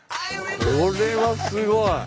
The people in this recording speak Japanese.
これはすごい。